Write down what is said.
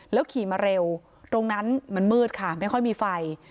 ขี่มาเร็วตรงนั้นมันมืดค่ะไม่ค่อยมีไฟ